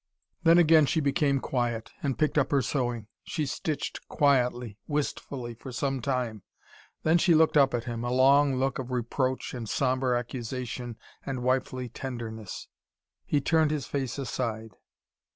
Then again she became quiet, and picked up her sewing. She stitched quietly, wistfully, for some time. Then she looked up at him a long look of reproach, and sombre accusation, and wifely tenderness. He turned his face aside.